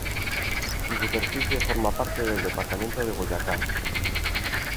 Su superficie forma parte del departamento de Boyacá.